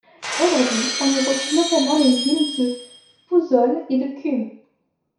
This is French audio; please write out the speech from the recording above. Aujourd'hui, on y retrouve notamment les villes de Pouzzoles et de Cumes.